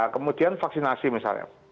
kemudian vaksinasi misalnya